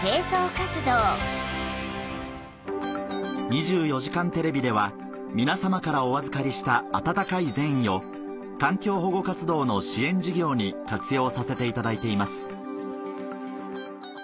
『２４時間テレビ』では皆さまからお預かりした温かい善意をに活用させていただいています